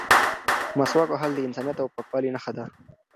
مسواک وهل د انسانیت او پاکوالي نښه ده.